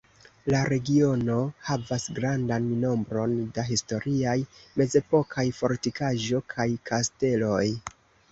La regiono havas grandan nombron da historiaj mezepokaj fortikaĵo kaj kasteloj.